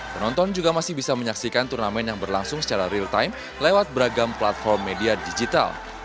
penonton juga masih bisa menyaksikan turnamen yang berlangsung secara real time lewat beragam platform media digital